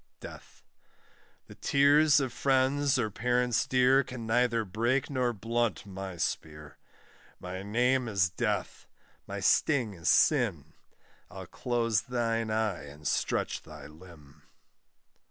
DEATH. The tears of friends or parents dear, Can neither break nor blunt my spear: My name is Death, my sting is sin, I'll close thine eye and stretch thy limb.